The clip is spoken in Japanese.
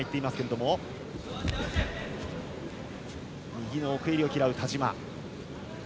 右の奥襟を嫌う田嶋。